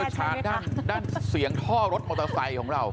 ความเชี่ยวชาญของด้านเสียงท่อรถมอเตอร์ไซต์ของเรา